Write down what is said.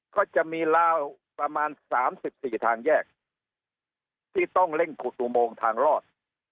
ก็จะมีลาวประมาณ๓๔ทางแยกที่ต้องเร่งขุดอุโมงทางรอด